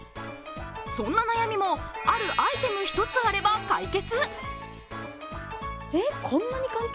そんな悩みも、あるアイテム一つあれば解決。